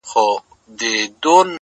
ته خو له هري ښيښې وځې و ښيښې ته ورځې-